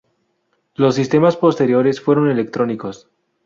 Los sistemas posteriores fueron electrónicos.